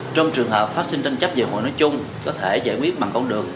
trong trường hợp phát sinh tranh chấp về hụi nói chung có thể giải quyết bằng bóng đường